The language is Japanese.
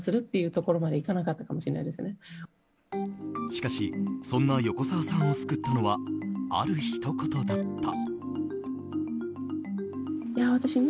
しかしそんな横澤さんを救ったのはあるひと言だった。